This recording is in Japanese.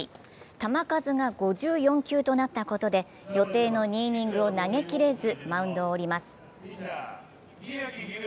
球数が５４球となったことで予定の２イニングを投げきれずマウンドを降ります。